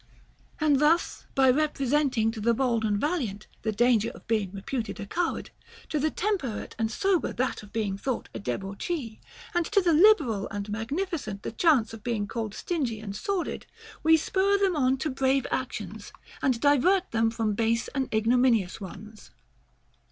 And thus, by representing to the bold and valiant the danger of being reputed a coward, to the temperate and sober that of being thought a debauchee, and to the liberal and magnificent the chance of being called stingy and sordid, we spur them on to brave actions and divert them from base and ignominious ones.